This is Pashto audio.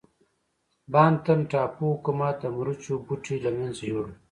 بانتن ټاپو حکومت د مرچو بوټي له منځه یووړل.